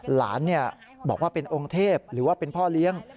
หลานบอกว่าเป็นองค์เทพหรือว่าเป็นพ่อเลี้ยง